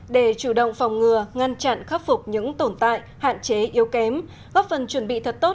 để chủ động phòng ngừa ngăn chặn khắc phục những tồn tại hạn chế yếu kém góp phần chuẩn bị thật tốt